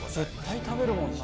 絶対食べるもん。